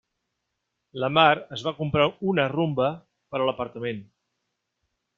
La Mar es va comprar una Rumba per a l'apartament.